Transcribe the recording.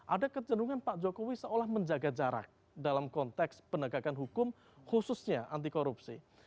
ada kecenderungan pak jokowi seolah menjaga jarak dalam konteks penegakan hukum khususnya anti korupsi